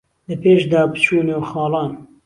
لە پیش دا پچو نێو خاڵان